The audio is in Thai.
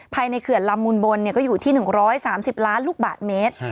เขื่อนลำมูลบนก็อยู่ที่๑๓๐ล้านลูกบาทเมตร